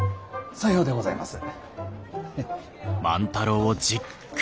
さようでございます。